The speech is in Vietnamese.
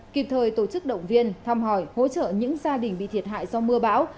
kịp thời tổ chức động viên thăm hỏi hỗ trợ những gia đình bị thiệt hại do mưa bão